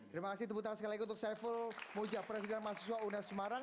terima kasih tepuk tangan sekali lagi untuk saiful mujah presiden mahasiswa una semarang